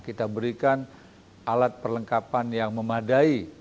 kita berikan alat perlengkapan yang memadai